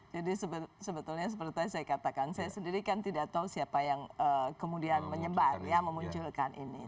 jadi sebetulnya seperti saya katakan saya sendiri kan tidak tahu siapa yang kemudian menyebar memunculkan ini